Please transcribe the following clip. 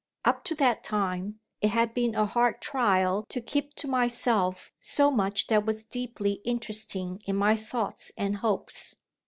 Up to that time, it had been a hard trial to keep to myself so much that was deeply interesting in my thoughts and hopes.